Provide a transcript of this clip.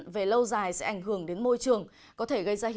về lâu dài sẽ ảnh hưởng đến môi trường